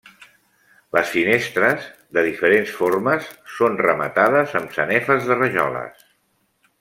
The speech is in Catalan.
Les finestres, de diferents formes, són rematades amb sanefes de rajoles.